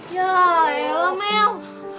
ya elah mel